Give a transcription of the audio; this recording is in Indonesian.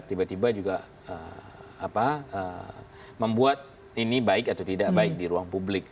tiba tiba juga membuat ini baik atau tidak baik di ruang publik